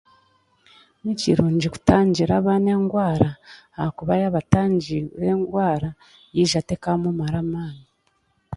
Ni kirungi kutangira abaana engwara ahakuba yaaba atangigwe engwara yaija tekaamumara amaani